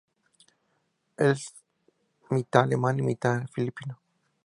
Él es mitad alemán y mitad filipino.